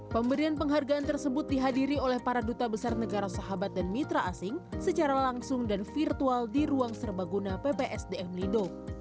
pemberian penghargaan tersebut dihadiri oleh para duta besar negara sahabat dan mitra asing secara langsung dan virtual di ruang serbaguna ppsdm lido